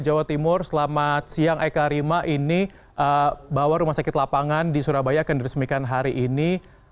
jawa timur selamat siang eka rima ini bahwa rumah sakit lapangan di surabaya akan diresmikan hari ini